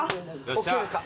ＯＫですか。